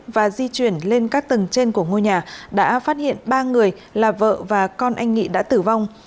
và di chuyển lên các tầng trên của ngôi nhà đã phát hiện ba người là vợ và con anh nghị đã tử vong